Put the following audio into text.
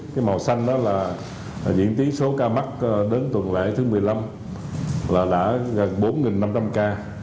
cái màu xanh đó là diễn tiến số ca mắc đến tuần lễ thứ một mươi năm là đã gần bốn năm trăm linh ca